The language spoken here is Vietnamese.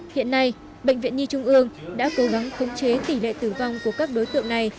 hiện nay bệnh viện nhi trung ương đã cố gắng khống chế tỷ lệ tử vong của các đối tượng này